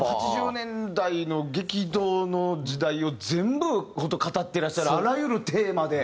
８０年代の激動の時代を全部語っていらっしゃるあらゆるテーマで。